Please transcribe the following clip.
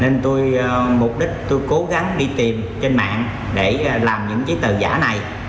mục đích tôi cố gắng đi tìm trên mạng để làm những giấy tờ giả này